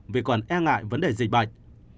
vì còn e ngại vấn đề dịch bệnh